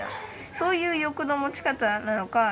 そういう欲の持ち方なのか。